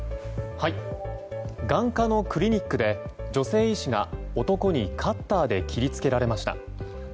眼科のクリニックで女性医師が男にカッターで切り付けられました。